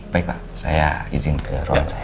baik pak saya izin ke ruang saya